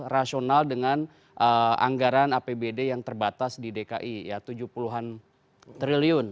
rasional dengan anggaran apbd yang terbatas di dki ya tujuh puluh an triliun